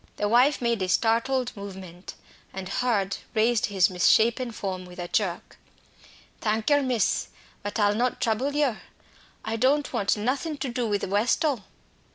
The wife made a startled movement, and Hurd raised his misshapen form with a jerk. "Thank yer, miss, but I'll not trouble yer. I don't want nothing to do with Westall."